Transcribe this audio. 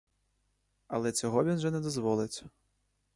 Але цього вже він не дозволить!